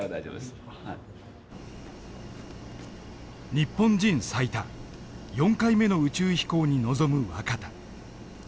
日本人最多４回目の宇宙飛行に臨む若田。